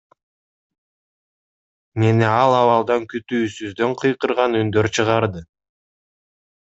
Мени ал абалдан күтүүсүздөн кыйкырган үндөр чыгарды.